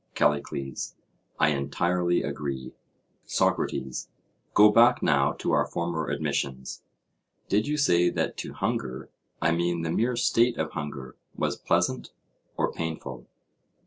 CALLICLES: I entirely agree. SOCRATES: Go back now to our former admissions.—Did you say that to hunger, I mean the mere state of hunger, was pleasant or painful?